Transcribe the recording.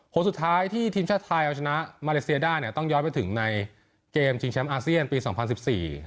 คนสุดท้ายที่ทีมชาติไทยเอาชนะมาเลเซียได้เนี่ยต้องย้อนไปถึงในเกมชิงแชมป์อาเซียนปีสองพันสิบสี่